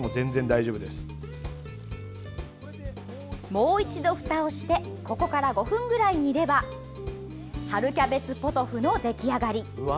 もう一度ふたをしてここから５分ぐらい煮れば春キャベツポトフの出来上がり。